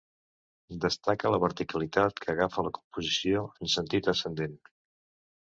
Destaca la verticalitat que agafa la composició en sentit ascendent.